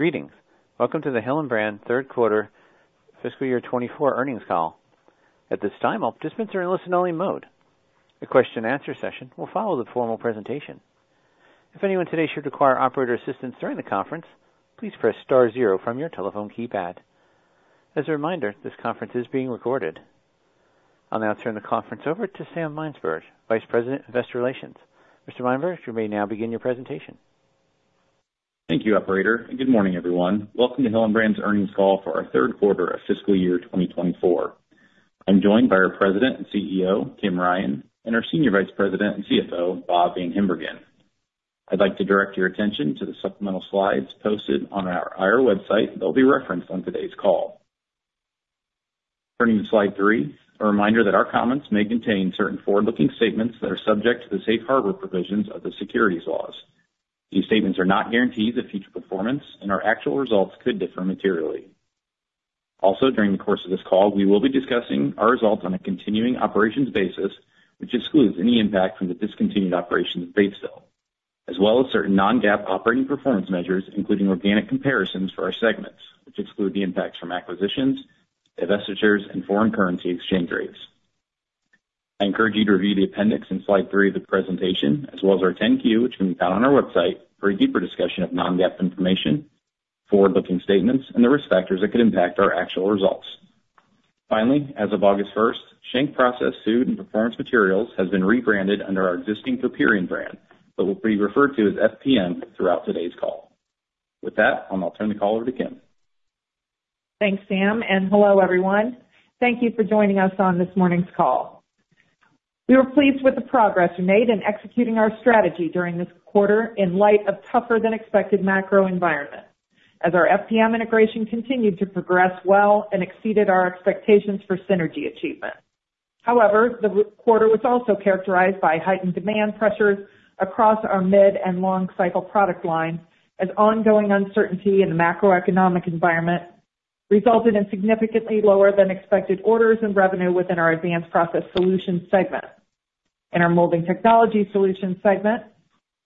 Greetings. Welcome to the Hillenbrand Third Quarter Fiscal Year 2024 Earnings Call. At this time, all participants are in listen-only mode. A question-and-answer session will follow the formal presentation. If anyone today should require operator assistance during the conference, please press star zero from your telephone keypad. As a reminder, this conference is being recorded. I'll now turn the conference over to Sam Mynsberge, Vice President, Investor Relations. Mr. Mynsberge, you may now begin your presentation. Thank you, operator, and good morning, everyone. Welcome to Hillenbrand's Earnings Call for our Third Quarter of Fiscal Year 2024. I'm joined by our President and CEO, Kim Ryan, and our Senior Vice President and CFO, Rob VanHimbergen. I'd like to direct your attention to the supplemental slides posted on our IR website that will be referenced on today's call. Turning to slide three, a reminder that our comments may contain certain forward-looking statements that are subject to the safe harbor provisions of the securities laws. These statements are not guarantees of future performance, and our actual results could differ materially. Also, during the course of this call, we will be discussing our results on a continuing operations basis, which excludes any impact from the discontinued operations of Batesville, as well as certain non-GAAP operating performance measures, including organic comparisons for our segments, which exclude three impacts from acquisitions, divestitures, and foreign currency exchange rates. I encourage you to review the appendix in slide three of the presentation, as well as our 10-Q, which can be found on our website for a deeper discussion of non-GAAP information, forward-looking statements, and the risk factors that could impact our actual results. Finally, as of August first, Schenck Process Food and Performance Materials has been rebranded under our existing Coperion brand, but will be referred to as FPM throughout today's call. With that, I'll now turn the call over to Kim. Thanks, Sam, and hello, everyone. Thank you for joining us on this morning's call. We were pleased with the progress we made in executing our strategy during this quarter in light of tougher than expected macro environment, as our FPM integration continued to progress well and exceeded our expectations for synergy achievement. However, the quarter was also characterized by heightened demand pressures across our mid- and long-cycle product lines, as ongoing uncertainty in the macroeconomic environment resulted in significantly lower than expected orders and revenue within our Advanced Process Solutions segment. In our Molding Technology Solutions segment,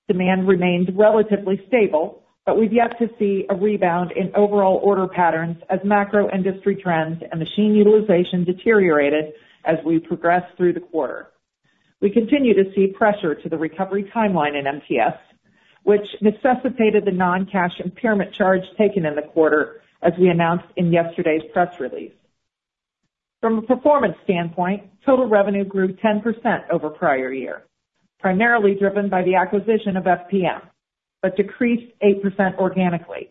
demand remained relatively stable, but we've yet to see a rebound in overall order patterns as macro industry trends and machine utilization deteriorated as we progressed through the quarter. We continue to see pressure to the recovery timeline in MTS, which necessitated the non-cash impairment charge taken in the quarter, as we announced in yesterday's press release. From a performance standpoint, total revenue grew 10% over prior year, primarily driven by the acquisition of FPM, but decreased 8% organically.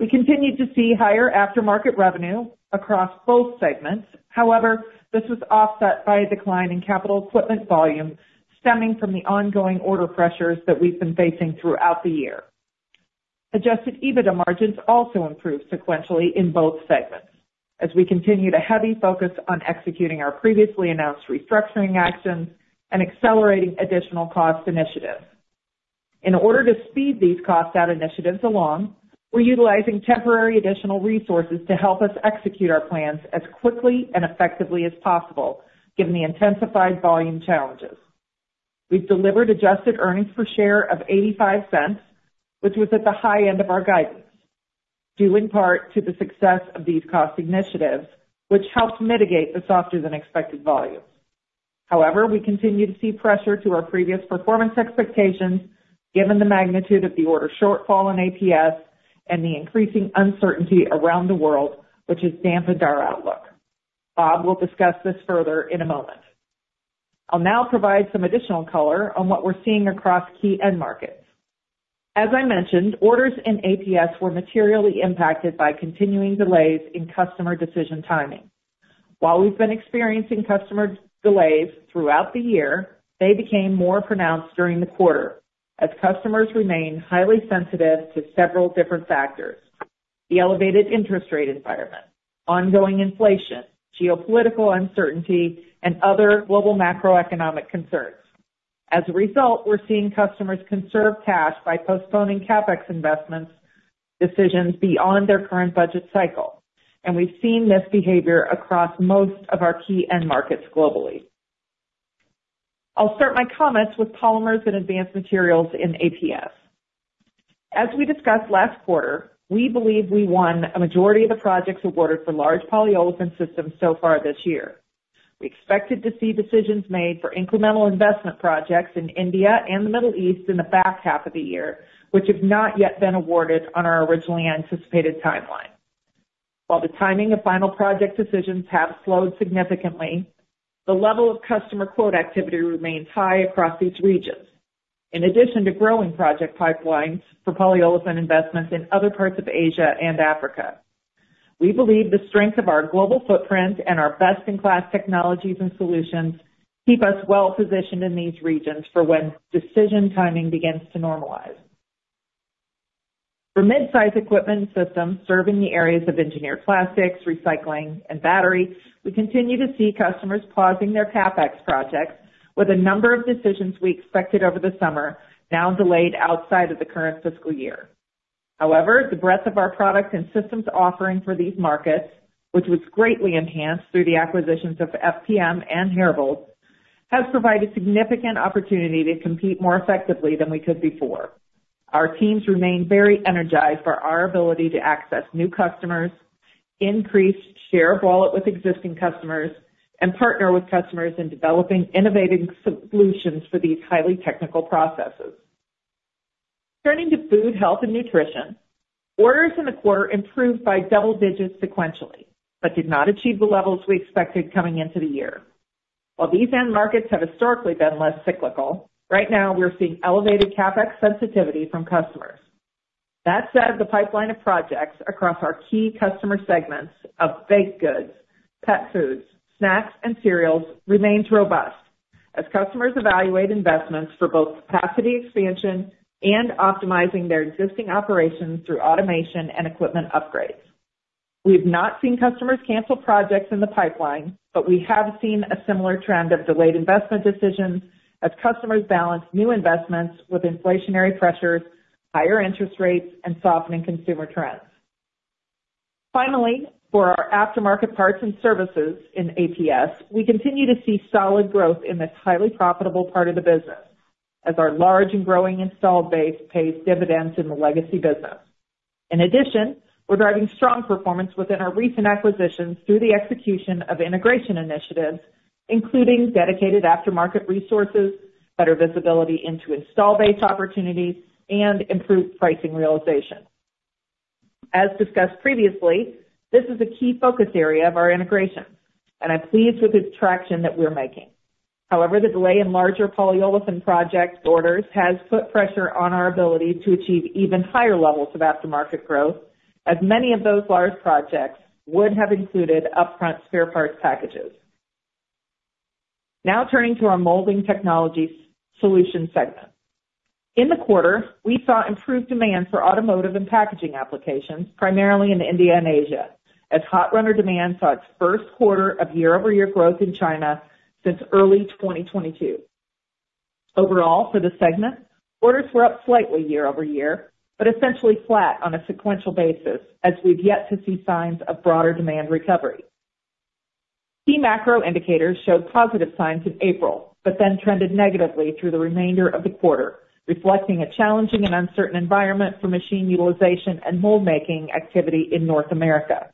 We continued to see higher aftermarket revenue across both segments. However, this was offset by a decline in capital equipment volume stemming from the ongoing order pressures that we've been facing throughout the year. Adjusted EBITDA margins also improved sequentially in both segments as we continued a heavy focus on executing our previously announced restructuring actions and accelerating additional cost initiatives. In order to speed these cost-out initiatives along, we're utilizing temporary additional resources to help us execute our plans as quickly and effectively as possible, given the intensified volume challenges. We've delivered adjusted earnings per share of $0.85, which was at the high end of our guidance, due in part to the success of these cost initiatives, which helped mitigate the softer than expected volumes. However, we continue to see pressure to our previous performance expectations, given the magnitude of the order shortfall in APS and the increasing uncertainty around the world, which has dampened our outlook. Rob will discuss this further in a moment. I'll now provide some additional color on what we're seeing across key end markets. As I mentioned, orders in APS were materially impacted by continuing delays in customer decision timing. While we've been experiencing customer delays throughout the year, they became more pronounced during the quarter as customers remained highly sensitive to several different factors: the elevated interest rate environment, ongoing inflation, geopolitical uncertainty, and other global macroeconomic concerns. As a result, we're seeing customers conserve cash by postponing CapEx investments decisions beyond their current budget cycle, and we've seen this behavior across most of our key end markets globally. I'll start my comments with polymers and advanced materials in APS. As we discussed last quarter, we believe we won a majority of the projects awarded for large polyolefin systems so far this year. We expected to see decisions made for incremental investment projects in India and the Middle East in the back half of the year, which have not yet been awarded on our originally anticipated timeline. While the timing of final project decisions have slowed significantly, the level of customer quote activity remains high across these regions. In addition to growing project pipelines for polyolefin investments in other parts of Asia and Africa, we believe the strength of our global footprint and our best-in-class technologies and solutions keep us well positioned in these regions for when decision timing begins to normalize. For mid-size equipment systems serving the areas of engineered plastics, recycling, and battery, we continue to see customers pausing their CapEx projects with a number of decisions we expected over the summer, now delayed outside of the current fiscal year. However, the breadth of our product and systems offering for these markets, which was greatly enhanced through the acquisitions of FPM and Herbold has provided significant opportunity to compete more effectively than we could before. Our teams remain very energized for our ability to access new customers, increase share of wallet with existing customers, and partner with customers in developing innovative solutions for these highly technical processes. Turning toFood, Health, and Nutrition, orders in the quarter improved by double digits sequentially, but did not achieve the levels we expected coming into the year. While these end markets have historically been less cyclical, right now, we're seeing elevated CapEx sensitivity from customers. That said, the pipeline of projects across our key customer segments of baked goods, pet foods, snacks, and cereals remains robust as customers evaluate investments for both capacity expansion and optimizing their existing operations through automation and equipment upgrades. We've not seen customers cancel projects in the pipeline, but we have seen a similar trend of delayed investment decisions as customers balance new investments with inflationary pressures, higher interest rates, and softening consumer trends. Finally, for our aftermarket parts and services in APS, we continue to see solid growth in this highly profitable part of the business, as our large and growing install base pays dividends in the legacy business. In addition, we're driving strong performance within our recent acquisitions through the execution of integration initiatives, including dedicated aftermarket resources, better visibility into install base opportunities, and improved pricing realization. As discussed previously, this is a key focus area of our integration, and I'm pleased with the traction that we're making. However, the delay in larger polyolefin project orders has put pressure on our ability to achieve even higher levels of aftermarket growth, as many of those large projects would have included upfront spare parts packages. Now turning to our Molding Technology Solutions segment. In the quarter, we saw improved demand for automotive and packaging applications, primarily in India and Asia, as hot runner demand saw its first quarter of year-over-year growth in China since early 2022. Overall, for the segment, orders were up slightly year-over-year, but essentially flat on a sequential basis, as we've yet to see signs of broader demand recovery. Key macro indicators showed positive signs in April, but then trended negatively through the remainder of the quarter, reflecting a challenging and uncertain environment for machine utilization and mold making activity in North America.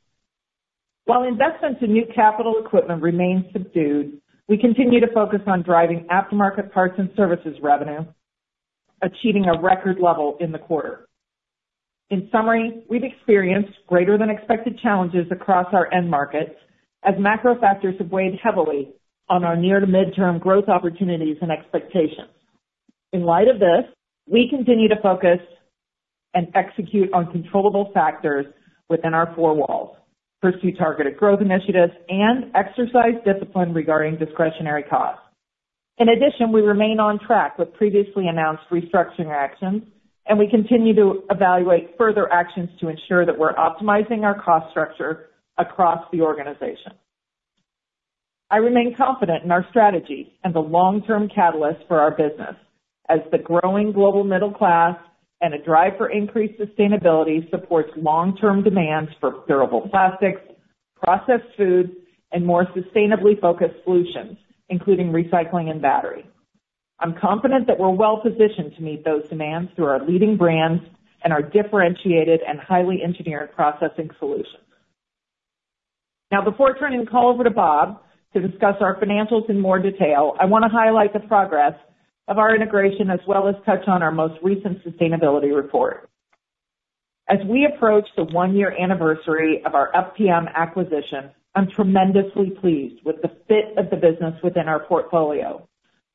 While investment to new capital equipment remains subdued, we continue to focus on driving aftermarket parts and services revenue, achieving a record level in the quarter. In summary, we've experienced greater than expected challenges across our end markets, as macro factors have weighed heavily on our near to midterm growth opportunities and expectations. In light of this, we continue to focus and execute on controllable factors within our four walls, pursue targeted growth initiatives, and exercise discipline regarding discretionary costs. In addition, we remain on track with previously announced restructuring actions, and we continue to evaluate further actions to ensure that we're optimizing our cost structure across the organization. I remain confident in our strategy and the long-term catalyst for our business, as the growing global middle class and a drive for increased sustainability supports long-term demands for durable plastics, processed foods, and more sustainably focused solutions, including recycling and battery. I'm confident that we're well positioned to meet those demands through our leading brands and our differentiated and highly engineered processing solutions. Now, before turning the call over to Rob to discuss our financials in more detail, I want to highlight the progress of our integration, as well as touch on our most recent sustainability report. As we approach the one-year anniversary of our FPM acquisition, I'm tremendously pleased with the fit of the business within our portfolio,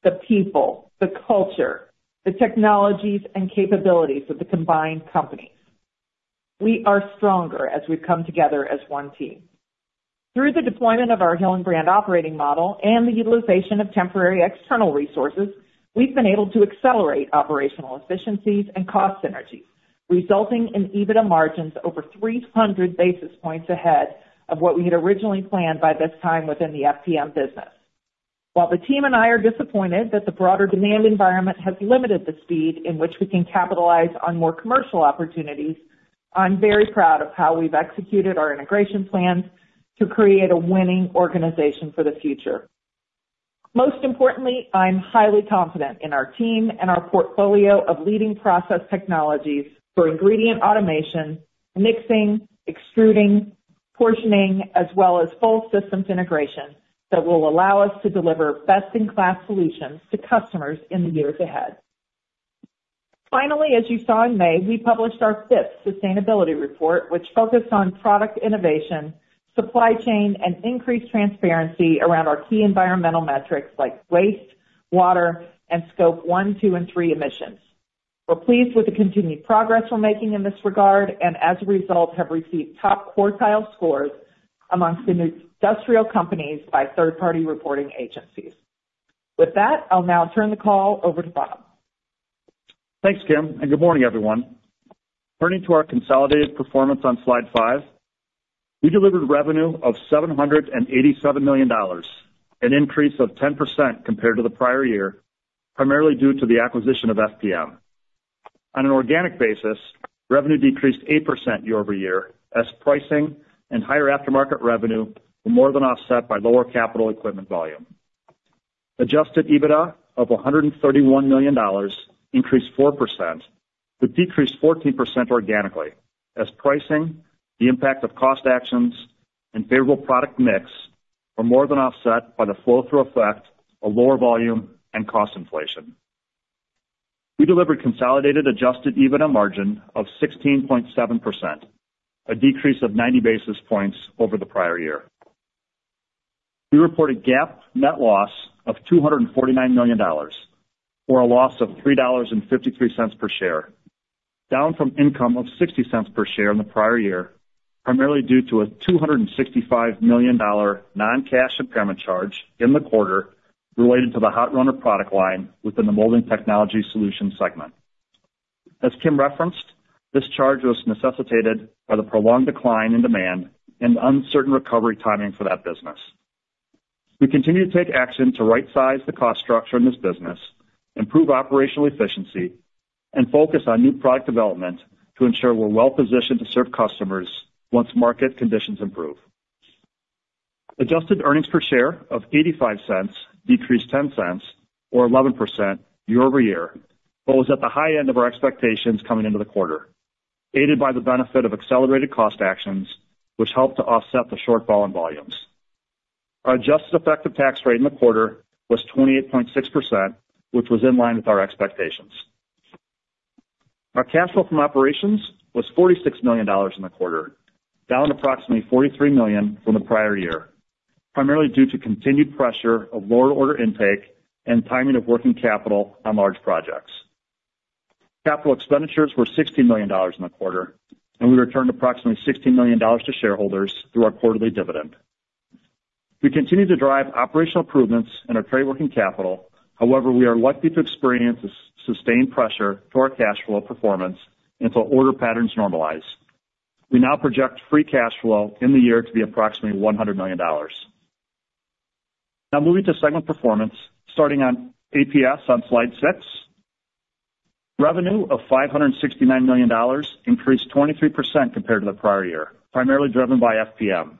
the people, the culture, the technologies, and capabilities of the combined companies. We are stronger as we've come together as one team. Through the deployment of our Hillenbrand operating model and the utilization of temporary external resources, we've been able to accelerate operational efficiencies and cost synergies, resulting in EBITDA margins over 300 basis points ahead of what we had originally planned by this time within the FPM business. While the team and I are disappointed that the broader demand environment has limited the speed in which we can capitalize on more commercial opportunities, I'm very proud of how we've executed our integration plans to create a winning organization for the future. Most importantly, I'm highly confident in our team and our portfolio of leading process technologies for ingredient automation, mixing, extruding, portioning, as well as full systems integration that will allow us to deliver best-in-class solutions to customers in the years ahead. Finally, as you saw in May, we published our fifth sustainability report, which focused on product innovation, supply chain, and increased transparency around our key environmental metrics like waste, water, and scope one, two, and three emissions. We're pleased with the continued progress we're making in this regard, and as a result, have received top quartile scores among industrial companies by third-party reporting agencies. With that, I'll now turn the call over to Rob. Thanks, Kim, and good morning, everyone. Turning to our consolidated performance on Slide 5, we delivered revenue of $787 million, an increase of 10% compared to the prior year, primarily due to the acquisition of FPM.... On an organic basis, revenue decreased 8% year-over-year, as pricing and higher aftermarket revenue were more than offset by lower capital equipment volume. Adjusted EBITDA of $131 million increased 4%, but decreased 14% organically, as pricing, the impact of cost actions, and favorable product mix were more than offset by the flow-through effect of lower volume and cost inflation. We delivered consolidated adjusted EBITDA margin of 16.7%, a decrease of 90 basis points over the prior year. We report a GAAP net loss of $249 million, or a loss of $3.53 per share, down from income of $0.60 per share in the prior year, primarily due to a $265 million non-cash impairment charge in the quarter related to the Hot Runner product line within the Molding Technology Solutions segment. As Kim referenced, this charge was necessitated by the prolonged decline in demand and uncertain recovery timing for that business. We continue to take action to right size the cost structure in this business, improve operational efficiency, and focus on new product development to ensure we're well-positioned to serve customers once market conditions improve. Adjusted earnings per share of $0.85 decreased $0.10, or 11%, year-over-year, but was at the high end of our expectations coming into the quarter, aided by the benefit of accelerated cost actions, which helped to offset the shortfall in volumes. Our adjusted effective tax rate in the quarter was 28.6%, which was in line with our expectations. Our cash flow from operations was $46 million in the quarter, down approximately $43 million from the prior year, primarily due to continued pressure of lower order intake and timing of working capital on large projects. Capital expenditures were $16 million in the quarter, and we returned approximately $16 million to shareholders through our quarterly dividend. We continue to drive operational improvements in our trade working capital. However, we are likely to experience sustained pressure to our cash flow performance until order patterns normalize. We now project free cash flow in the year to be approximately $100 million. Now moving to segment performance, starting on APS on slide six. Revenue of $569 million increased 23% compared to the prior year, primarily driven by FPM.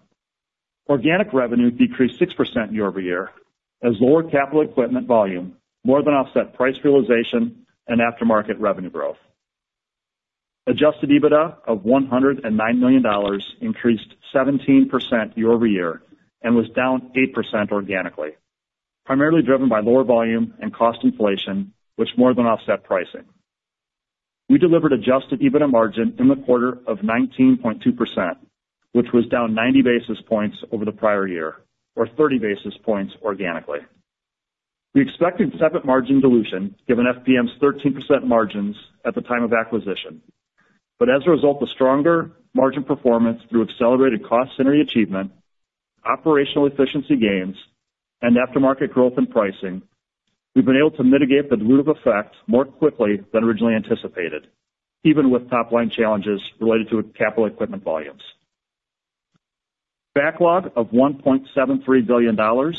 Organic revenue decreased 6% year-over-year, as lower capital equipment volume more than offset price realization and aftermarket revenue growth. Adjusted EBITDA of $109 million increased 17% year-over-year and was down 8% organically, primarily driven by lower volume and cost inflation, which more than offset pricing. We delivered adjusted EBITDA margin in the quarter of 19.2%, which was down 90 basis points over the prior year, or 30 basis points organically. We expected separate margin dilution given FPM's 13% margins at the time of acquisition. But as a result of stronger margin performance through accelerated cost synergy achievement, operational efficiency gains, and aftermarket growth and pricing, we've been able to mitigate the dilutive effect more quickly than originally anticipated, even with top-line challenges related to capital equipment volumes. Backlog of $1.73 billion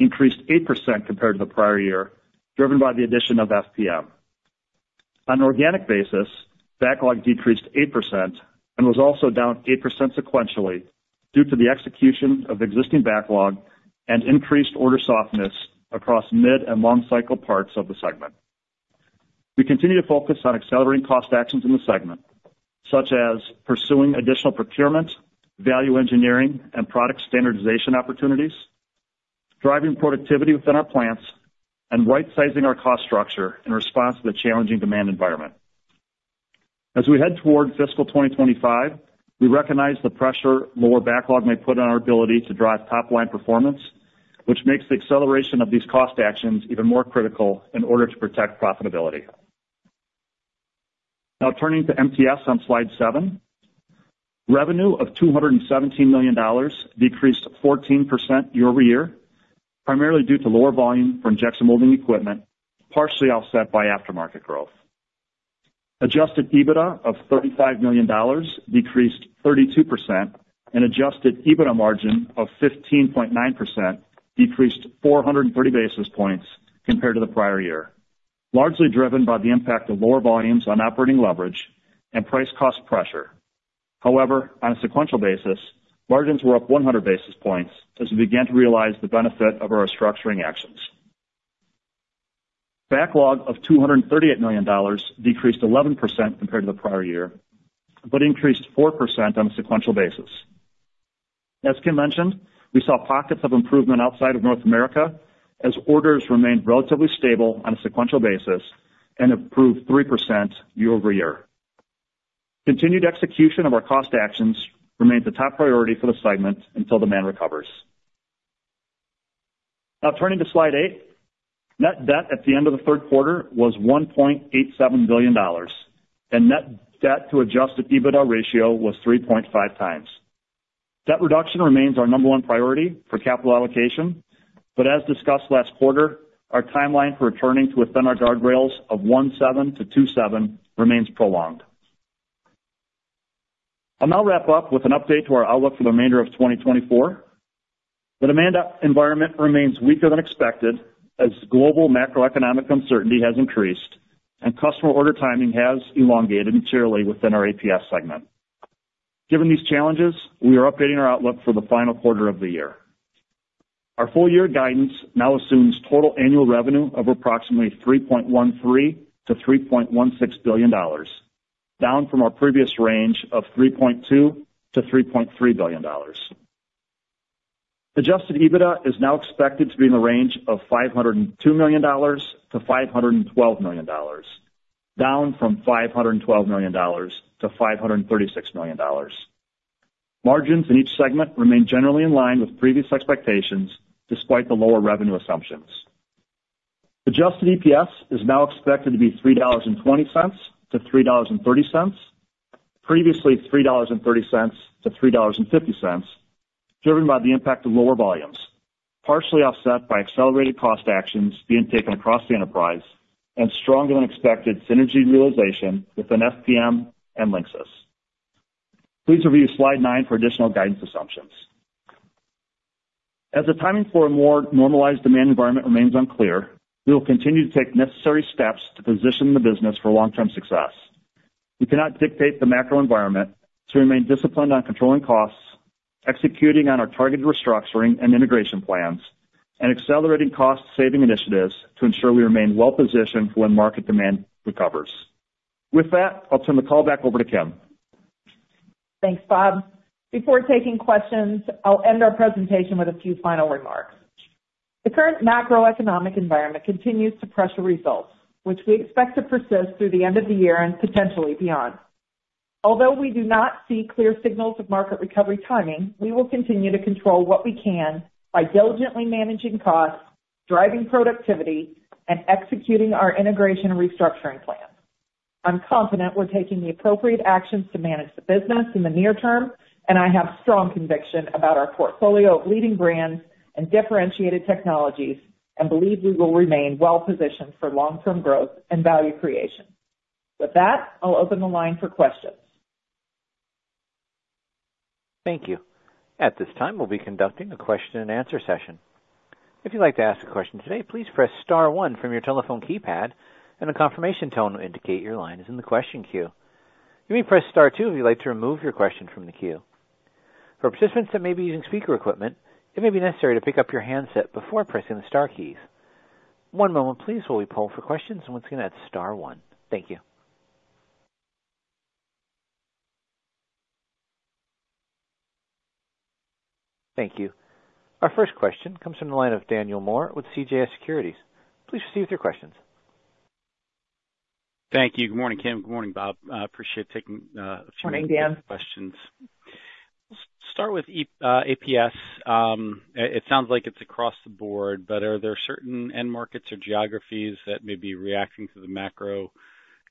increased 8% compared to the prior year, driven by the addition of FPM. On an organic basis, backlog decreased 8% and was also down 8% sequentially due to the execution of existing backlog and increased order softness across mid- and long-cycle parts of the segment. We continue to focus on accelerating cost actions in the segment, such as pursuing additional procurement, value engineering, and product standardization opportunities, driving productivity within our plants, and rightsizing our cost structure in response to the challenging demand environment. As we head towards fiscal 2025, we recognize the pressure lower backlog may put on our ability to drive top-line performance, which makes the acceleration of these cost actions even more critical in order to protect profitability. Now turning to MTS on slide seven. Revenue of $217 million decreased 14% year-over-year, primarily due to lower volume for injection molding equipment, partially offset by aftermarket growth. Adjusted EBITDA of $35 million decreased 32%, and adjusted EBITDA margin of 15.9% decreased 430 basis points compared to the prior year, largely driven by the impact of lower volumes on operating leverage and price cost pressure. However, on a sequential basis, margins were up 100 basis points as we began to realize the benefit of our restructuring actions. Backlog of $238 million decreased 11% compared to the prior year, but increased 4% on a sequential basis. As Kim mentioned, we saw pockets of improvement outside of North America, as orders remained relatively stable on a sequential basis and improved 3% year-over-year. Continued execution of our cost actions remains a top priority for the segment until demand recovers. Now, turning to Slide eight. Net debt at the end of the third quarter was $1.87 billion, and net debt to adjusted EBITDA ratio was 3.5x. Debt reduction remains our number one priority for capital allocation, but as discussed last quarter, our timeline for returning to within our guardrails of 1.7% to 2.7% remains prolonged. I'll now wrap up with an update to our outlook for the remainder of 2024. The demand environment remains weaker than expected as global macroeconomic uncertainty has increased and customer order timing has elongated materially within our APS segment. Given these challenges, we are updating our outlook for the final quarter of the year. Our full year guidance now assumes total annual revenue of approximately $3.13 billion-$3.16 billion, down from our previous range of $3.2 billion-$3.3 billion. Adjusted EBITDA is now expected to be in the range of $502 million-$512 million, down from $512 million-$536 million. Margins in each segment remain generally in line with previous expectations, despite the lower revenue assumptions. Adjusted EPS is now expected to be $3.20-$3.30, previously $3.30-$3.50, driven by the impact of lower volumes, partially offset by accelerated cost actions being taken across the enterprise and stronger than expected synergy realization within FPM and Linxis. Please review slide 9 for additional guidance assumptions. As the timing for a more normalized demand environment remains unclear, we will continue to take necessary steps to position the business for long-term success. We cannot dictate the macro environment, to remain disciplined on controlling costs, executing on our targeted restructuring and integration plans, and accelerating cost saving initiatives to ensure we remain well positioned for when market demand recovers. With that, I'll turn the call back over to Kim. Thanks, Rob. Before taking questions, I'll end our presentation with a few final remarks. The current macroeconomic environment continues to pressure results, which we expect to persist through the end of the year and potentially beyond. Although we do not see clear signals of market recovery timing, we will continue to control what we can by diligently managing costs, driving productivity, and executing our integration and restructuring plan. I'm confident we're taking the appropriate actions to manage the business in the near term, and I have strong conviction about our portfolio of leading brands and differentiated technologies, and believe we will remain well positioned for long-term growth and value creation. With that, I'll open the line for questions. Thank you. At this time, we'll be conducting a question and answer session. If you'd like to ask a question today, please press star one from your telephone keypad, and a confirmation tone will indicate your line is in the question queue. You may press star two if you'd like to remove your question from the queue. For participants that may be using speaker equipment, it may be necessary to pick up your handset before pressing the star keys. One moment please, while we poll for questions. Once again, that's star one. Thank you. Thank you. Our first question comes from the line of Daniel Moore with CJS Securities. Please proceed with your questions. Thank you. Good morning, Kim. Good morning, Rob. Appreciate taking a few. Morning, Dan. Questions. Start with APS. It sounds like it's across the board, but are there certain end markets or geographies that may be reacting to the macro,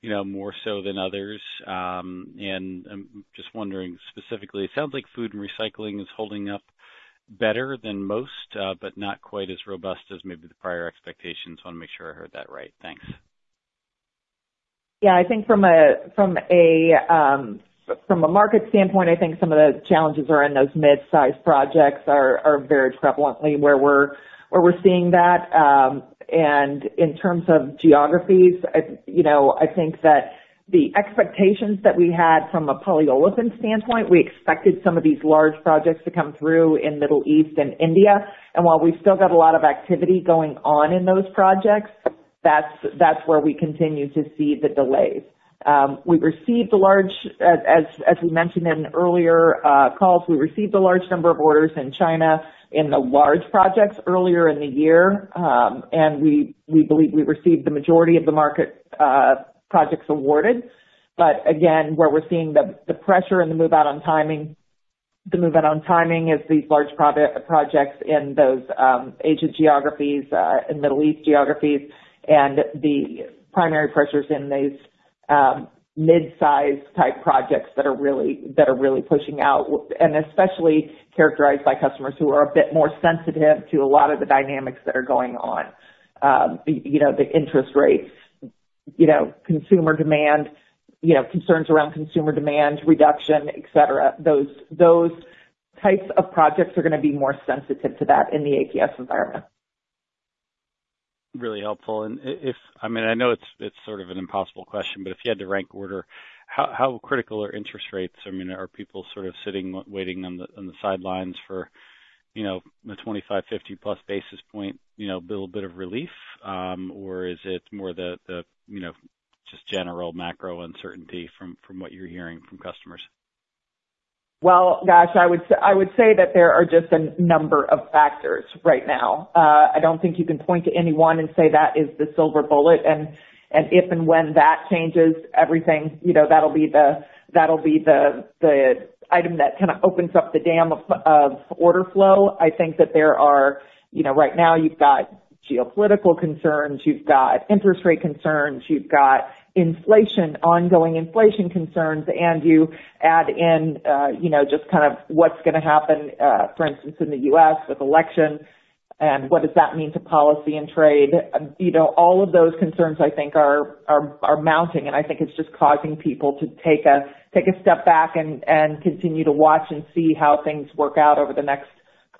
you know, more so than others? And I'm just wondering, specifically, it sounds like food and recycling is holding up better than most, but not quite as robust as maybe the prior expectations. Want to make sure I heard that right. Thanks. Yeah, I think from a market standpoint, I think some of the challenges are in those mid-sized projects are very prevalently where we're seeing that. And in terms of geographies, you know, I think that the expectations that we had from a polyolefin standpoint, we expected some of these large projects to come through in Middle East and India. And while we've still got a lot of activity going on in those projects, that's where we continue to see the delays. We've received a large, as we mentioned in earlier calls, we received a large number of orders in China in the large projects earlier in the year. And we believe we received the majority of the market projects awarded. But again, where we're seeing the pressure and the move-out on timing, the move-out on timing is these large projects in those Asian geographies, in Middle East geographies, and the primary pressures in these mid-sized type projects that are really, that are really pushing out, and especially characterized by customers who are a bit more sensitive to a lot of the dynamics that are going on. You know, the interest rates, you know, consumer demand, you know, concerns around consumer demand, reduction, etc. Those types of projects are gonna be more sensitive to that in the APS environment. Really helpful. And if, I mean, I know it's sort of an impossible question, but if you had to rank order, how critical are interest rates? I mean, are people sort of sitting, waiting on the sidelines for, you know, the 25, 50+ basis point, you know, little bit of relief? Or is it more the, you know, just general macro uncertainty from what you're hearing from customers? Well, gosh, I would say that there are just a number of factors right now. I don't think you can point to any one and say that is the silver bullet. And if and when that changes, everything, you know, that'll be the item that kind of opens up the dam of order flow. I think that there are, you know, right now you've got geopolitical concerns, you've got interest rate concerns, you've got inflation, ongoing inflation concerns, and you add in, you know, just kind of what's gonna happen, for instance, in the U.S. with elections, and what does that mean to policy and trade? You know, all of those concerns, I think, are mounting, and I think it's just causing people to take a step back and continue to watch and see how things work out over the next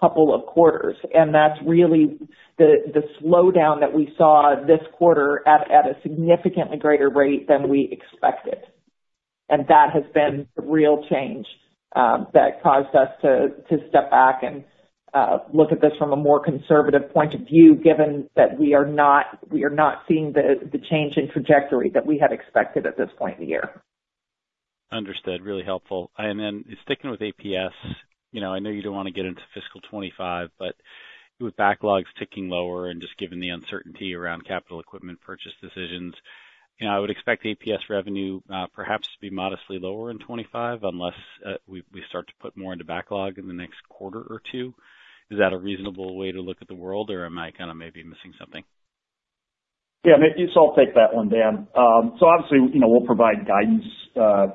couple of quarters. And that's really the slowdown that we saw this quarter at a significantly greater rate than we expected. And that has been a real change that caused us to step back and look at this from a more conservative point of view, given that we are not seeing the change in trajectory that we had expected at this point in the year. Understood. Really helpful. And then sticking with APS, you know, I know you don't want to get into fiscal 2025, but with backlogs ticking lower and just given the uncertainty around capital equipment purchase decisions, you know, I would expect APS revenue, perhaps to be modestly lower in 2025, unless we start to put more into backlog in the next quarter or two. Is that a reasonable way to look at the world, or am I kind of maybe missing something? Yeah, so I'll take that one, Dan. So obviously, you know, we'll provide guidance,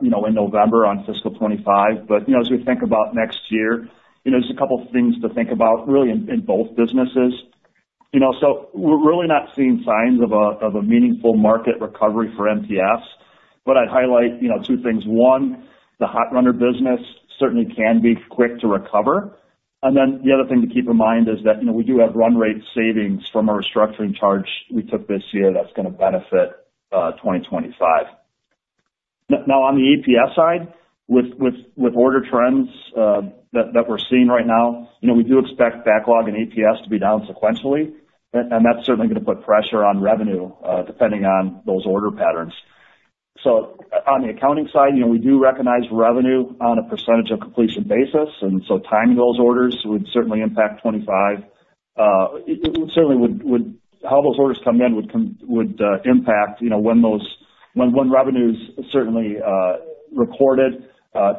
you know, in November on fiscal 2025. But, you know, as we think about next year, you know, there's a couple things to think about really in, in both businesses. You know, so we're really not seeing signs of a, of a meaningful market recovery for MPS, but I'd highlight, you know, two things. One, the Hot Runner business certainly can be quick to recover. And then the other thing to keep in mind is that, you know, we do have run rate savings from our restructuring charge we took this year that's gonna benefit, 2025. Now, on the APS side, with order trends that we're seeing right now, you know, we do expect backlog and APS to be down sequentially, and that's certainly gonna put pressure on revenue, depending on those order patterns. So on the accounting side, you know, we do recognize revenue on a percentage of completion basis, and so timing those orders would certainly impact 2025. It certainly would, how those orders come in would impact, you know, when those revenue is certainly recorded,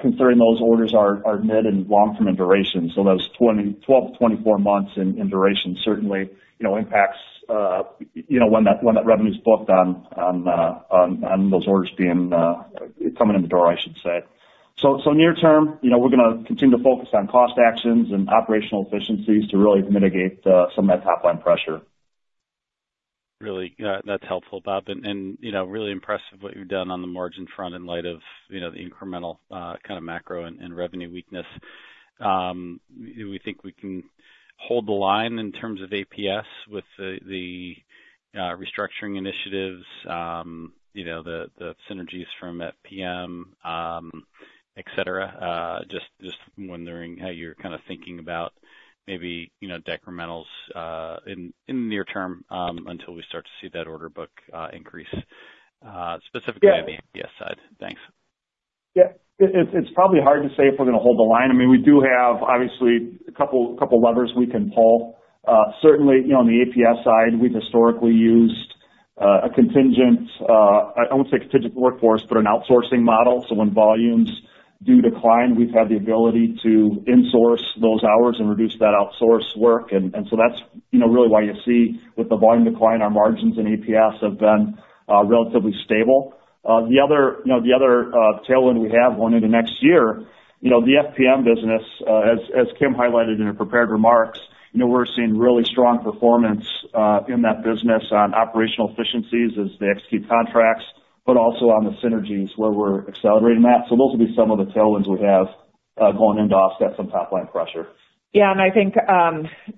considering those orders are mid and long term in duration. So those 12-24 months in duration certainly, you know, impacts, you know, when that revenue's booked on those orders being coming in the door, I should say. So near term, you know, we're gonna continue to focus on cost actions and operational efficiencies to really mitigate some of that top line pressure. Really, that's helpful, Rob. And, you know, really impressive what you've done on the margin front in light of, you know, the incremental, kind of macro and revenue weakness. Do we think we can hold the line in terms of APS with the restructuring initiatives, you know, the synergies from FPM, etc.? Just wondering how you're kind of thinking about maybe, you know, decrementals, in the near term, until we start to see that order book increase, specifically. Yeah. On the APS side. Thanks. Yeah, it's probably hard to say if we're gonna hold the line. I mean, we do have, obviously, a couple levers we can pull. Certainly, you know, on the APS side, we've historically used a contingent, I won't say a contingent workforce, but an outsourcing model. So when volumes do decline, we've had the ability to insource those hours and reduce that outsource work. And so that's, you know, really why you see with the volume decline, our margins in APS have been relatively stable. The other tailwind we have going into next year, you know, the FPM business, as Kim highlighted in her prepared remarks, you know, we're seeing really strong performance in that business on operational efficiencies as they execute contracts, but also on the synergies where we're accelerating that. So those will be some of the tailwinds we have, going in to offset some top line pressure. Yeah, and I think,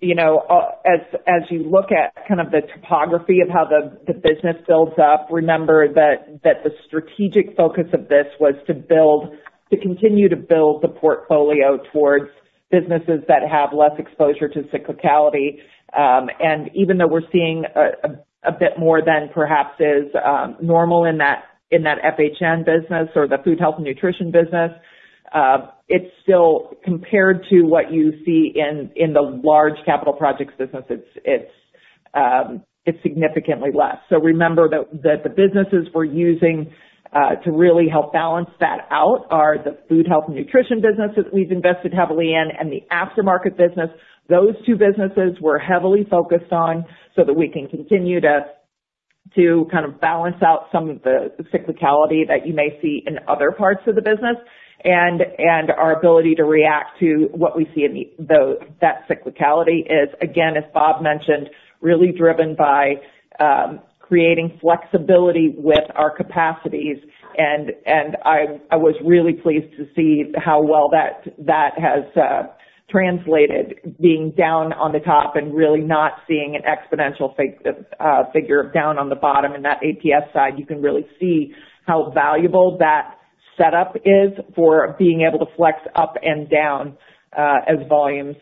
you know, as you look at kind of the topography of how the business builds up, remember that the strategic focus of this was to build, to continue to build the portfolio towards businesses that have less exposure to cyclicality. And even though we're seeing a bit more than perhaps is normal in that FHN business or the food, health, and nutrition business, it's still, compared to what you see in the large capital projects business, it's significantly less. So remember that the businesses we're using to really help balance that out are the food, health, and nutrition businesses we've invested heavily in and the aftermarket business. Those two businesses we're heavily focused on so that we can continue to kind of balance out some of the cyclicality that you may see in other parts of the business. And our ability to react to what we see in that cyclicality is, again, as Rob mentioned, really driven by creating flexibility with our capacities. And I was really pleased to see how well that has translated, being down on the top and really not seeing an exponential fa- figure down on the bottom. In that APS side, you can really see how valuable that setup is for being able to flex up and down, as volumes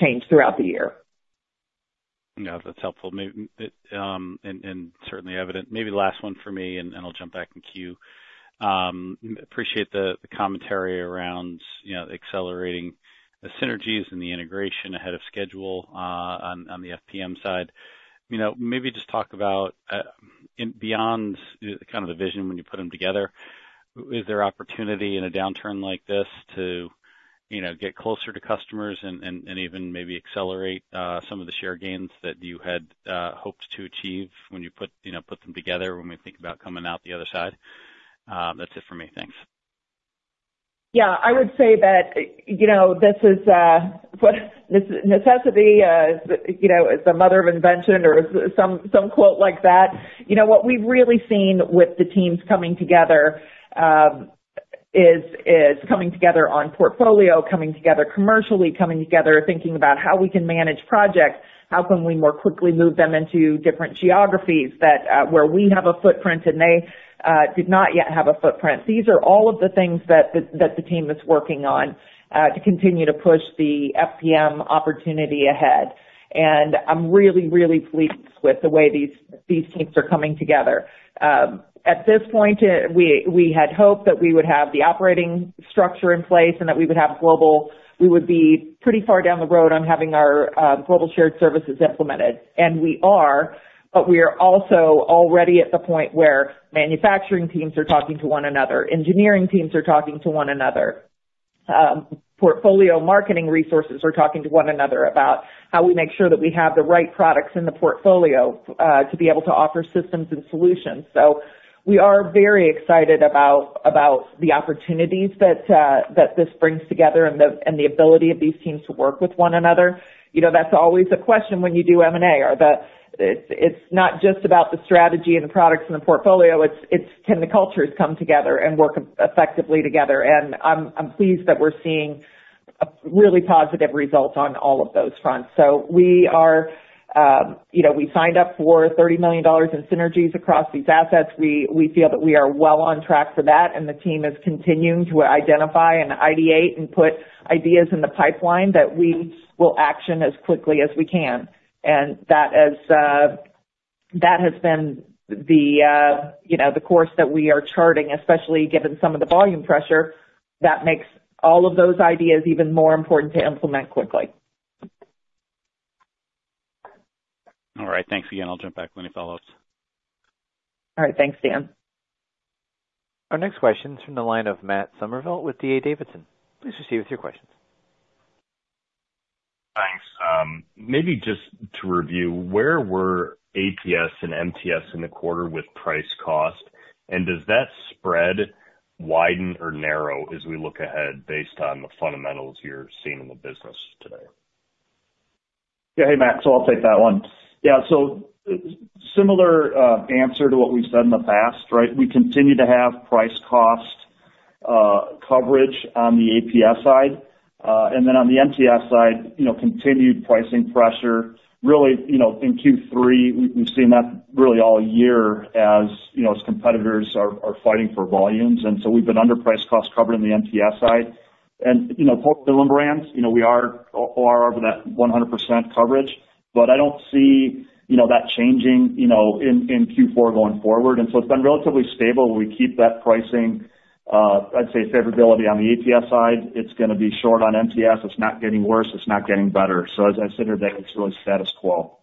change throughout the year. Yeah, that's helpful, and certainly evident. Maybe the last one for me, and I'll jump back in queue. Appreciate the commentary around, you know, accelerating the synergies and the integration ahead of schedule, on the FPM side. You know, maybe just talk about and beyond kind of the vision when you put them together, is there opportunity in a downturn like this to, you know, get closer to customers and even maybe accelerate some of the share gains that you had hoped to achieve when you put them together when we think about coming out the other side? That's it for me. Thanks. Yeah, I would say that, you know, this is necessity, you know, is the mother of invention or some quote like that. You know, what we've really seen with the teams coming together is coming together on portfolio, coming together commercially, coming together, thinking about how we can manage projects. How can we more quickly move them into different geographies that where we have a footprint and they did not yet have a footprint? These are all of the things that the team is working on to continue to push the FPM opportunity ahead. And I'm really, really pleased with the way these teams are coming together. At this point, we had hoped that we would have the operating structure in place and that we would be pretty far down the road on having our global shared services implemented. And we are, but we are also already at the point where manufacturing teams are talking to one another, engineering teams are talking to one another, portfolio marketing resources are talking to one another about how we make sure that we have the right products in the portfolio to be able to offer systems and solutions. So we are very excited about the opportunities that this brings together and the ability of these teams to work with one another. You know, that's always a question when you do M&A. It's not just about the strategy and the products and the portfolio, can the cultures come together and work effectively together? And I'm pleased that we're seeing a really positive result on all of those fronts. So we are, you know, we signed up for $30 million in synergies across these assets. We feel that we are well on track for that, and the team is continuing to identify and ideate and put ideas in the pipeline that we will action as quickly as we can. And that is, that has been the, you know, the course that we are charting, especially given some of the volume pressure that makes all of those ideas even more important to implement quickly. All right. Thanks again. I'll jump back when he follows. All right. Thanks, Dan. Our next question is from the line of Matt Summerville with D.A. Davidson. Please proceed with your questions. Thanks. Maybe just to review, where were APS and MTS in the quarter with price cost? And does that spread widen or narrow as we look ahead based on the fundamentals you're seeing in the business today? Yeah. Hey, Matt, so I'll take that one. Yeah, so similar answer to what we've said in the past, right? We continue to have price cost coverage on the APS side. And then on the MTS side, you know, continued pricing pressure. Really, you know, in Q3, we've seen that really all year, as you know, as competitors are fighting for volumes, and so we've been under price cost cover in the MTS side. And, you know, portfolio brands, you know, we are over that 100% coverage, but I don't see, you know, that changing, you know, in Q4 going forward. And so it's been relatively stable. We keep that pricing, I'd say, favorability on the APS side. It's gonna be short on MTS. It's not getting worse; it's not getting better. As I said earlier, it's really status quo.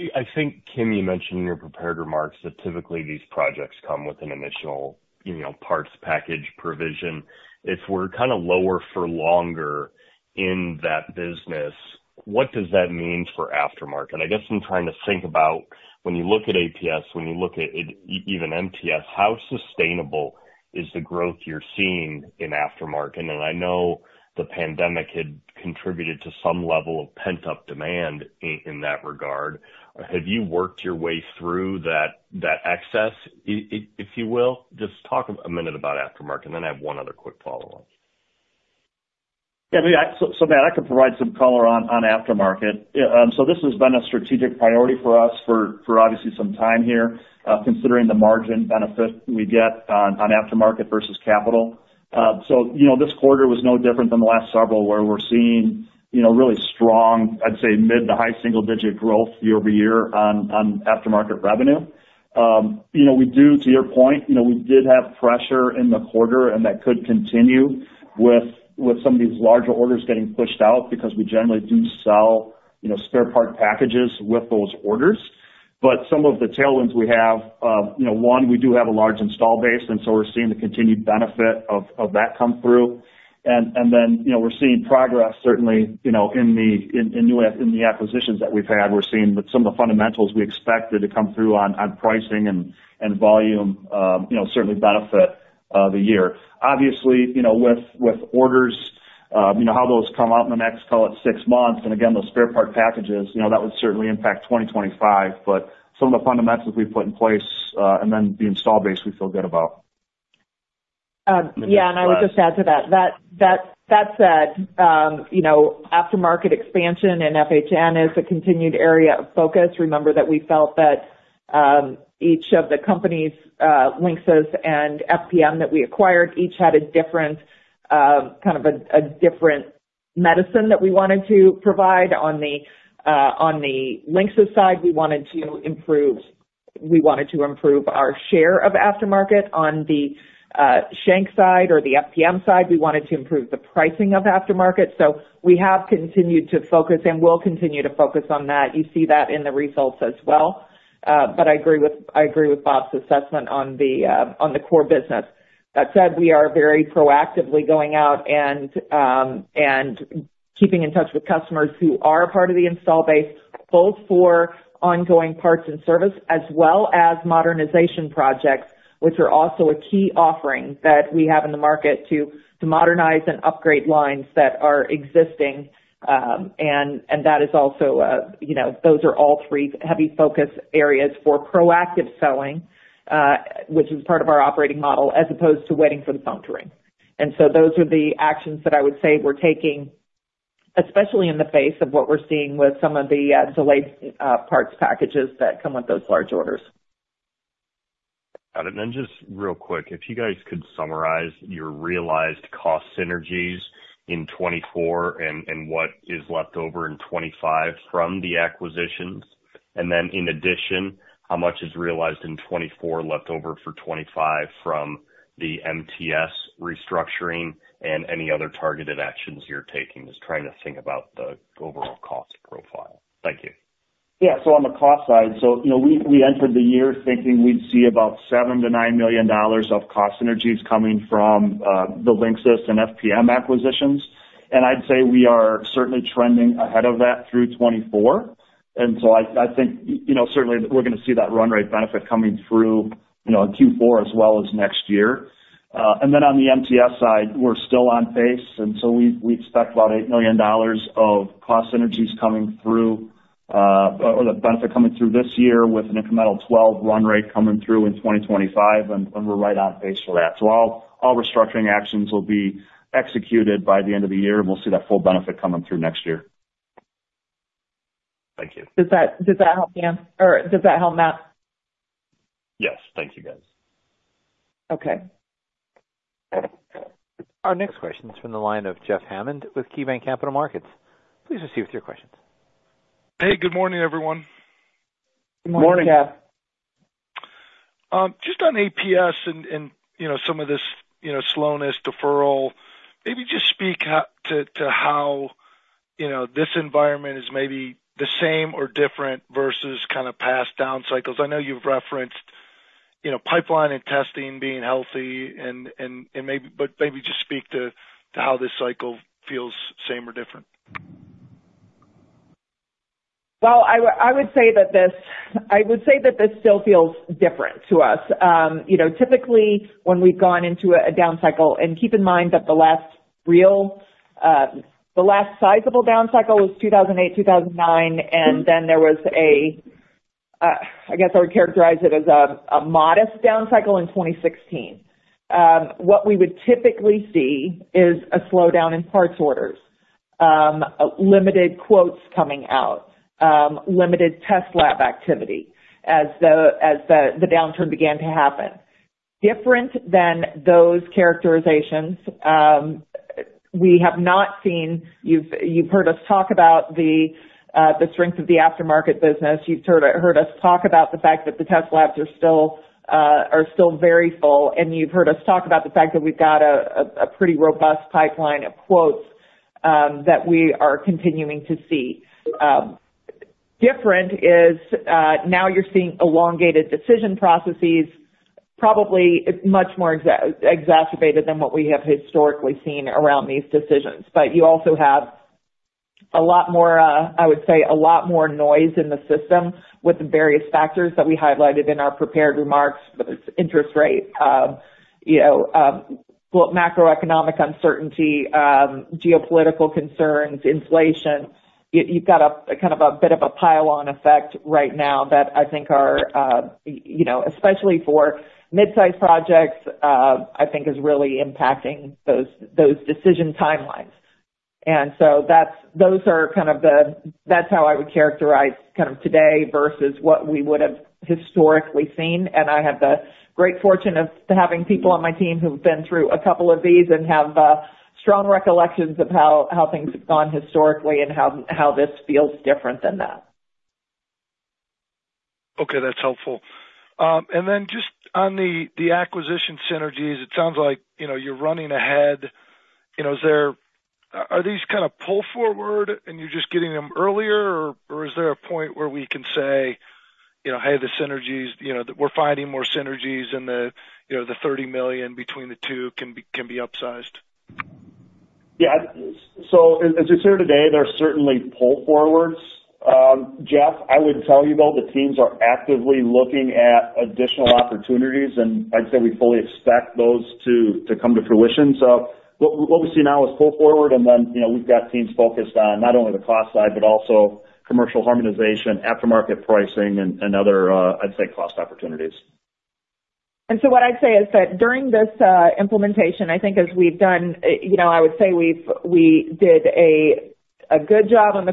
I think, Kim, you mentioned in your prepared remarks that typically these projects come with an initial, you know, parts package provision. If we're kind of lower for longer in that business, what does that mean for aftermarket? I guess I'm trying to think about when you look at ATS, when you look at even MTS, how sustainable is the growth you're seeing in aftermarket? And I know the pandemic had contributed to some level of pent-up demand in that regard. Have you worked your way through that, that excess, if you will? Just talk a minute about aftermarket, and then I have one other quick follow-on. Yeah, so Matt, I can provide some color on aftermarket. Yeah, so this has been a strategic priority for us for obviously some time here, considering the margin benefit we get on aftermarket versus capital. So, you know, this quarter was no different than the last several, where we're seeing, you know, really strong. I'd say mid- to high-single-digit growth year-over-year on aftermarket revenue. You know, we do, to your point, you know, we did have pressure in the quarter, and that could continue with some of these larger orders getting pushed out because we generally do sell, you know, spare part packages with those orders. But some of the tailwinds we have, you know, one, we do have a large install base, and so we're seeing the continued benefit of that come through. And then, you know, we're seeing progress certainly, you know, in the acquisitions that we've had. We're seeing some of the fundamentals we expected to come through on pricing and volume, you know, certainly benefit the year. Obviously, you know, with orders, you know, how those come out in the next, call it six months, and again, those spare part packages, you know, that would certainly impact 2025. But some of the fundamentals we've put in place, and then the install base we feel good about. Yeah, and I would just add to that, that said, you know, aftermarket expansion and FHN is a continued area of focus. Remember that we felt that each of the companies, Linxis and FPM that we acquired, each had a different kind of a different medicine that we wanted to provide. On the Linxis side, we wanted to improve our share of aftermarket on the APS side or the FPM side. We wanted to improve the pricing of aftermarket. So we have continued to focus and will continue to focus on that. You see that in the results as well. But I agree with Rob's assessment on the core business. That said, we are very proactively going out and keeping in touch with customers who are part of the installed base, both for ongoing parts and service, as well as modernization projects, which are also a key offering that we have in the market to modernize and upgrade lines that are existing. And that is also, you know, those are all three heavy focus areas for proactive selling, which is part of our operating model, as opposed to waiting for the phone to ring. And so those are the actions that I would say we're taking, especially in the face of what we're seeing with some of the delayed parts packages that come with those large orders. Got it. And then just real quick, if you guys could summarize your realized cost synergies in 2024 and, and what is left over in 2025 from the acquisitions? And then in addition, how much is realized in 2024 left over for 2025 from the MTS restructuring and any other targeted actions you're taking? Just trying to think about the overall cost profile. Thank you. Yeah. So on the cost side, so you know, we entered the year thinking we'd see about $7 million-$9 million of cost synergies coming from the Linxis and FPM acquisitions. And I'd say we are certainly trending ahead of that through 2024. And so I think you know, certainly we're gonna see that run rate benefit coming through, you know, in Q4 as well as next year. And then on the MTS side, we're still on pace, and so we expect about $8 million of cost synergies coming through or the benefit coming through this year with an incremental $12 million run rate coming through in 2025, and we're right on pace for that. So all restructuring actions will be executed by the end of the year, and we'll see that full benefit coming through next year. Thank you. Does that help you, or does that help, Matt? Yes. Thank you, guys. Okay. Our next question is from the line of Jeff Hammond with KeyBanc Capital Markets. Please proceed with your questions. Hey, good morning, everyone. Good morning, Jeff. Morning. Just on APS and you know, some of this, you know, slowness, deferral, maybe just speak to how, you know, this environment is maybe the same or different versus kind of past down cycles. I know you've referenced, you know, pipeline and testing being healthy and but maybe just speak to how this cycle feels same or different. Well, I would say that this, I would say that this still feels different to us. You know, typically, when we've gone into a down cycle, and keep in mind that the last real, the last sizable down cycle was 2008, 2009, and then there was a, I guess I would characterize it as a modest down cycle in 2016. What we would typically see is a slowdown in parts orders, limited quotes coming out, limited test lab activity as the downturn began to happen. Different than those characterizations, we have not seen—you've, you've heard us talk about the strength of the aftermarket business. You've sort of heard us talk about the fact that the test labs are still very full, and you've heard us talk about the fact that we've got a pretty robust pipeline of quotes that we are continuing to see. Different is now you're seeing elongated decision processes, probably much more exacerbated than what we have historically seen around these decisions. But you also have a lot more, I would say, a lot more noise in the system with the various factors that we highlighted in our prepared remarks, whether it's interest rate, you know, well, macroeconomic uncertainty, geopolitical concerns, inflation. You've got a kind of a bit of a pile-on effect right now that I think or you know, especially for mid-sized projects, I think is really impacting those decision timelines. And so that's how I would characterize kind of today versus what we would have historically seen. I have the great fortune of having people on my team who've been through a couple of these and have strong recollections of how things have gone historically and how this feels different than that. Okay. That's helpful. And then just on the, the acquisition synergies, it sounds like, you know, you're running ahead. You know, is there, are these kind of pull forward and you're just getting them earlier? Or, or is there a point where we can say, you know, "Hey, the synergies, you know, we're finding more synergies and the, you know, the $30 million between the two can be, can be upsized? Yeah. So as it's here today, there are certainly pull forwards. Jeff, I would tell you, though, the teams are actively looking at additional opportunities, and I'd say we fully expect those to come to fruition. So what we see now is pull forward, and then, you know, we've got teams focused on not only the cost side, but also commercial harmonization, aftermarket pricing, and other, I'd say, cost opportunities. What I'd say is that during this implementation, I think as we've done, you know, I would say we did a good job on the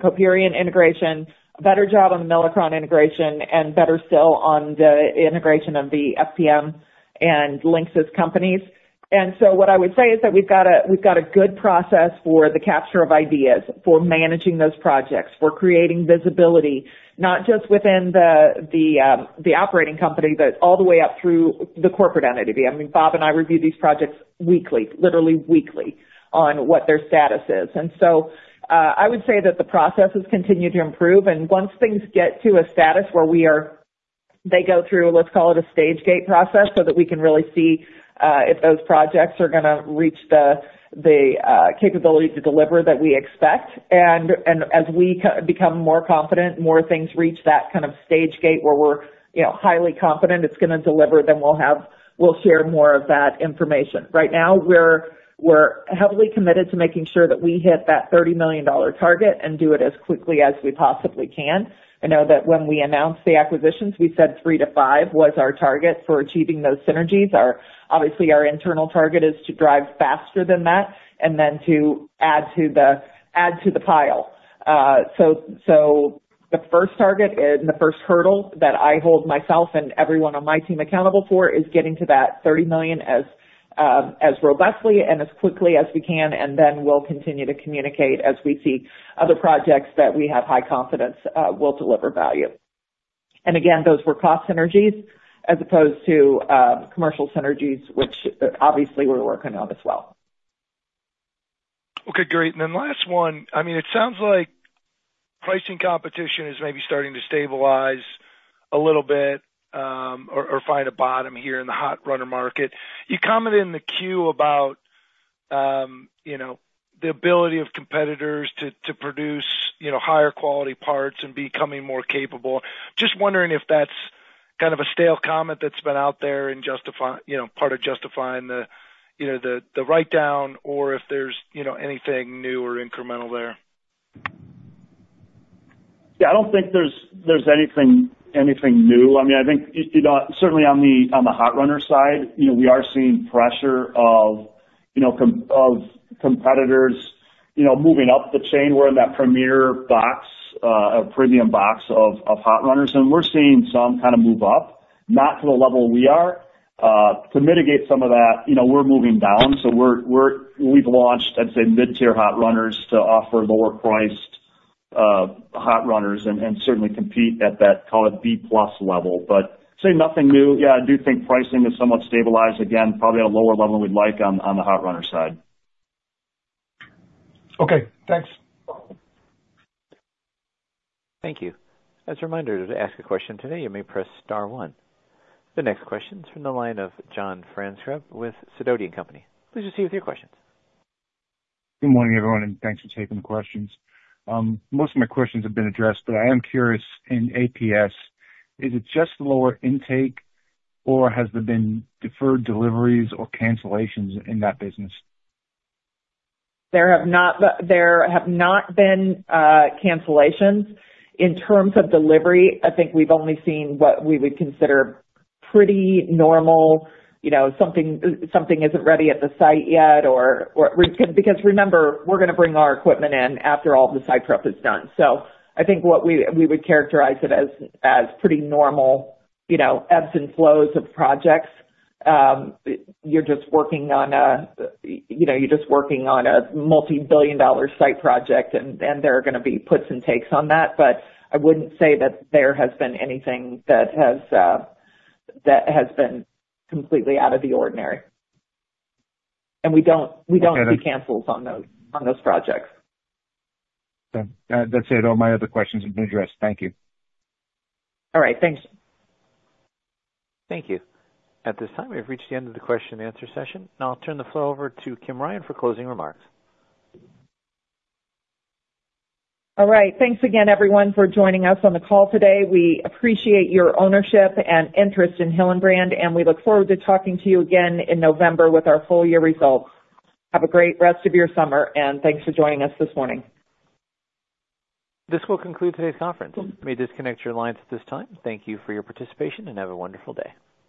Coperion integration, a better job on the Milacron integration, and better still on the integration of the FPM and Linxis's companies. What I would say is that we've got a good process for the capture of ideas, for managing those projects, for creating visibility, not just within the operating company, but all the way up through the corporate entity. I mean, Rob and I review these projects weekly, literally weekly, on what their status is. And so, I would say that the processes continue to improve, and once things get to a status where we are, they go through, let's call it a stage gate process, so that we can really see if those projects are gonna reach the capability to deliver that we expect. And as we become more confident, more things reach that kind of stage gate where we're, you know, highly confident it's gonna deliver, then we'll share more of that information. Right now, we're heavily committed to making sure that we hit that $30 million target and do it as quickly as we possibly can. I know that when we announced the acquisitions, we said 3%-5% was our target for achieving those synergies. Our obviously, our internal target is to drive faster than that, and then to add to the, add to the pile. So, so the first target and the first hurdle that I hold myself and everyone on my team accountable for, is getting to that $30 million as, as robustly and as quickly as we can, and then we'll continue to communicate as we see other projects that we have high confidence, will deliver value. And again, those were cost synergies as opposed to, commercial synergies, which, obviously we're working on as well. Okay, great. And then last one. I mean, it sounds like pricing competition is maybe starting to stabilize a little bit, or find a bottom here in the hot runner market. You commented in the queue about, you know, the ability of competitors to produce, you know, higher quality parts and becoming more capable. Just wondering if that's kind of a stale comment that's been out there, you know, part of justifying the, you know, the write-down or if there's, you know, anything new or incremental there? Yeah, I don't think there's anything new. I mean, I think you know, certainly on the hot runner side, you know, we are seeing pressure from competitors, you know, moving up the chain. We're in that premier box, a premium box of hot runners, and we're seeing some kind of move up, not to the level we are. To mitigate some of that, you know, we're moving down, so we've launched, I'd say, mid-tier hot runners to offer lower priced hot runners and certainly compete at that, call it B+ level. But I'd say nothing new. Yeah, I do think pricing is somewhat stabilized, again, probably at a lower level than we'd like on the hot runner side. Okay, thanks. Thank you. As a reminder, to ask a question today, you may press star one. The next question is from the line of John Franzreb with Sidoti & Company. Please proceed with your questions. Good morning, everyone, and thanks for taking the questions. Most of my questions have been addressed, but I am curious, in APS, is it just lower intake or has there been deferred deliveries or cancellations in that business? There have not been cancellations. In terms of delivery, I think we've only seen what we would consider pretty normal, you know, something isn't ready at the site yet, or because remember, we're gonna bring our equipment in after all the site prep is done. So I think what we would characterize it as pretty normal, you know, ebbs and flows of projects. You're just working on a multi-billion-dollar site project, and there are gonna be puts and takes on that. But I wouldn't say that there has been anything that has been completely out of the ordinary. And we don't. Okay. See cancels on those, on those projects. Okay. That's it. All my other questions have been addressed. Thank you. All right, thanks. Thank you. At this time, we have reached the end of the question and answer session. Now I'll turn the floor over to Kim Ryan for closing remarks. All right. Thanks again, everyone, for joining us on the call today. We appreciate your ownership and interest in Hillenbrand, and we look forward to talking to you again in November with our full year results. Have a great rest of your summer, and thanks for joining us this morning. This will conclude today's conference. You may disconnect your lines at this time. Thank you for your participation, and have a wonderful day.